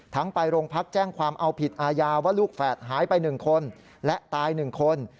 ทั้งไปโรงพักษณ์แจ้งความเอาผิดอาญาว่าลูกแฝดหายไปหนึ่งคนและตายหนึ่งคน